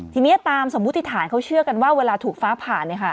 ทีนี้ตามสมมุติฐานเขาเชื่อกันว่าเวลาถูกฟ้าผ่าน